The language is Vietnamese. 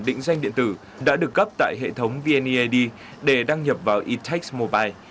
định danh điện tử đã được cấp tại hệ thống vnead để đăng nhập vào e tac mobile